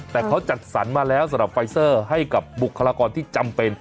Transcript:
แต่เขาจัดสรรมาแล้วสำหรับไฟเซอร์ให้กับบุคลากรที่จำเป็น